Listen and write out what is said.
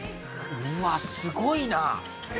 うわっすごいな！